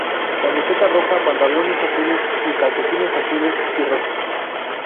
Camiseta roja, pantalones azules y calcetines azul y rojos.